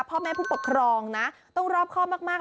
พ่อแม่ผู้ปกครองนะต้องรอบครอบมาก